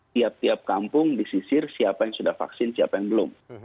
tiap tiap kampung disisir siapa yang sudah vaksin siapa yang belum